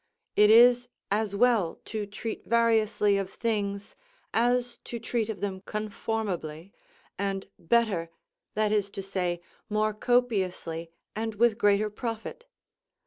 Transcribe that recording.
It is as well to treat variously of things as to treat of them conformably, and better, that is to say, more copiously and with greater profit.